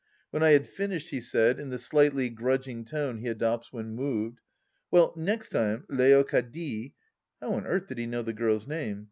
When I had finished he said, in the slightly grudging tone he adopts when moved : "Well, next time Leocadie (how on earth did he know the girl's name